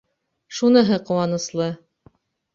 Шуныһы ҡыуаныслы.